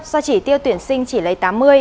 do chỉ tiêu tuyển sinh chỉ lấy tám mươi